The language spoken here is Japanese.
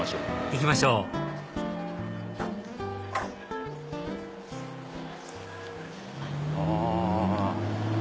行きましょうあ。